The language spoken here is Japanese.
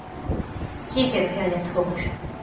檜池の部屋にあった報告書。